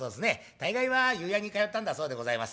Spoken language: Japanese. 大概は湯屋に通ったんだそうでございます。